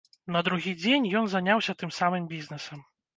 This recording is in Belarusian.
На другі дзень ён заняўся тым самым бізнэсам.